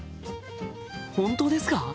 本当ですか！？